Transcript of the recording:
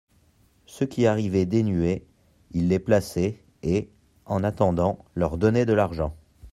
Ceux qui arrivaient dénués, il les plaçait, et, en attendant, leur donnait de l'argent.